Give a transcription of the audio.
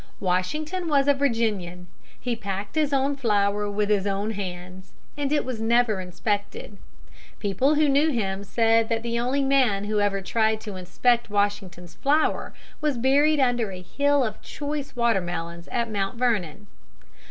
Washington was a Virginian. He packed his own flour with his own hands, and it was never inspected. People who knew him said that the only man who ever tried to inspect Washington's flour was buried under a hill of choice watermelons at Mount Vernon.